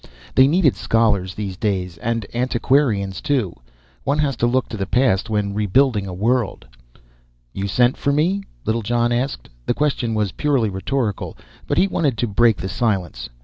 They needed scholars these days, and antiquarians too. One has to look to the past when rebuilding a world. "You sent for me?" Littlejohn asked. The question was purely rhetorical, but he wanted to break the silence.